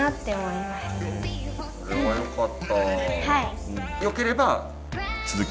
はい！